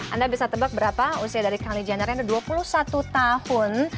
anda bisa tebak berapa usia dari kylie jennernya dua puluh satu tahun